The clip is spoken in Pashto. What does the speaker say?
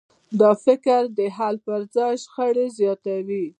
دا فکر د حل پر ځای شخړې زیاتوي.